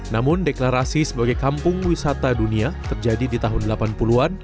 namun deklarasi sebagai kampung wisata dunia terjadi di tahun delapan puluh an